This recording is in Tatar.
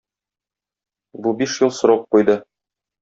Бу биш ел срок куйды.